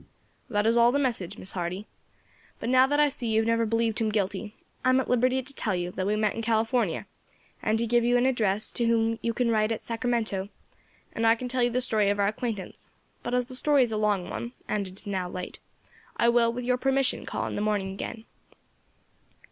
"That is all the message, Miss Hardy. But now that I see you have never believed him guilty, I am at liberty to tell you that we met in California, and to give you an address to which you can write at Sacramento, and I can tell you the story of our acquaintance; but as the story is a long one, and it is now late, I will, with your permission, call in the morning again."